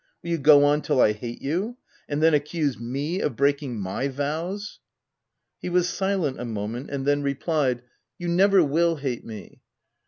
Will you go on till I hate you ; and then accuse me of breaking my vows?" He was silent a moment, and then replied, 142 THE TENANT "You never will hate me.